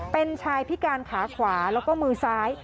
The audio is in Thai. เป็นชายพิการขาขวาแล้วก็มือซ้าย